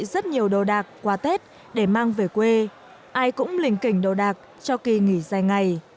rất nhiều đồ đạc qua tết để mang về quê ai cũng lình kỉnh đồ đạc cho kỳ nghỉ dài ngày